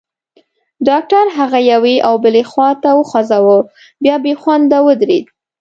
ډاکټر هغه یوې او بلې خواته وخوځاوه، بیا بېخونده ودرېد.